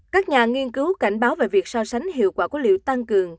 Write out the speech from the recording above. các nhà nghiên cứu cảnh báo về việc so sánh hiệu quả của liệu tăng cường